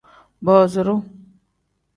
Booziru.